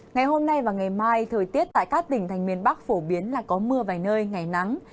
ngày hôm nay và ngày mai thời tiết tại các tỉnh thành miền bắc phổ biến là có mưa vài nơi ngày nắng